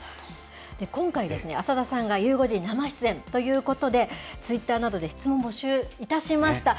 今回、浅田さんがゆう５時生出演ということで、ツイッターなどで質問、募集いたしました。